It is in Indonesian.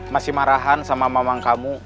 masih marahan sama mamang kamu